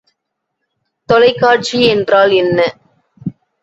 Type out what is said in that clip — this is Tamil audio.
தொலைக்காட்சி என்றால் என்ன?